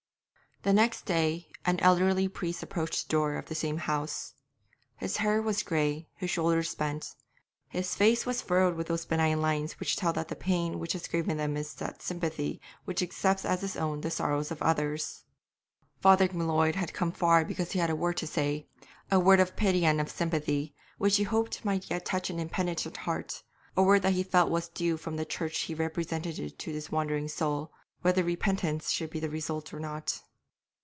The next day an elderly priest approached the door of the same house. His hair was grey, his shoulders bent, his face was furrowed with those benign lines which tell that the pain which has graven them is that sympathy which accepts as its own the sorrows of others. Father M'Leod had come far because he had a word to say, a word of pity and of sympathy, which he hoped might yet touch an impenitent heart, a word that he felt was due from the Church he represented to this wandering soul, whether repentance should be the result or not.